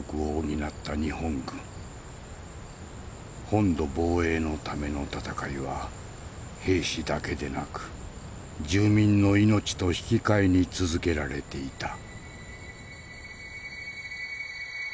本土防衛のための戦いは兵士だけでなく住民の命と引き換えに続けられていた。